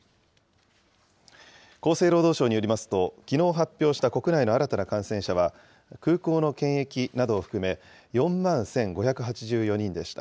厚生労働省によりますと、きのう発表した国内の新たな感染者は、空港の検疫などを含め４万１５８４人でした。